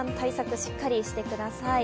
しっかりしてください。